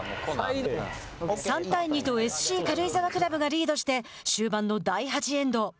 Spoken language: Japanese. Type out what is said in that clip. ３対２とＳＣ軽井沢クラブがリードして終盤の第８エンド。